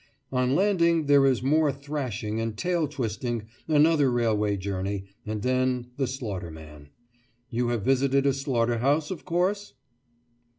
On landing there is more thrashing and tail twisting, another railway journey, and then—the slaughterman. You have visited a slaughter house, of course?